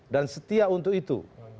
dan setia untuk itu